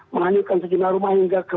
menghanyutkan sejumlah rumah hingga ke